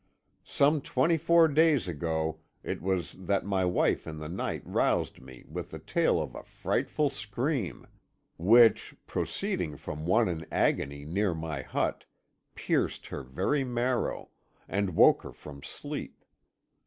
Some twenty four days ago it was that my wife in the night roused me with the tale of a frightful scream, which, proceeding from one in agony near my hut, pierced her very marrow, and woke her from sleep.